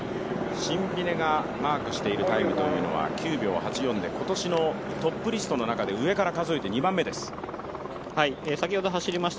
シンビネがマークしているタイムというのは９秒８４で今年のトップリストの中で上から数えて２番目です。